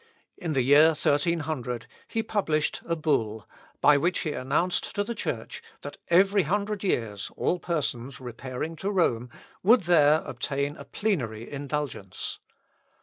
In the year 1300 he published a bull, by which he announced to the Church, that every hundred years all persons repairing to Rome would there obtain a plenary indulgence.